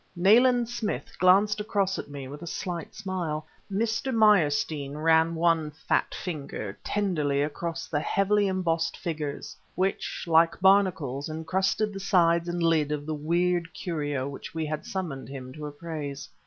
Nayland Smith glanced across at me with a slight smile. Mr. Meyerstein ran one fat finger tenderly across the heavily embossed figures, which, like barnacles, encrusted the sides and lid of the weird curio which we had summoned him to appraise.